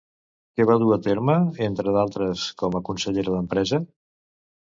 Què va dur a terme, entre d'altres, com a consellera d'Empresa?